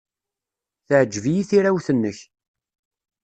Teɛjeb-iyi tirawt-nnek.